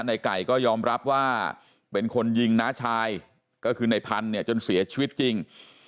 ในไก่ก็ยอมรับว่าเป็นคนยิงน้าชายก็คือในพันธุ์เนี่ยจนเสียชีวิตจริง